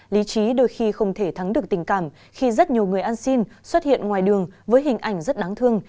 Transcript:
lý trí đôi khi không thể thắng được tình cảm khi rất nhiều người ăn xin xuất hiện ngoài đường với hình ảnh rất đáng thương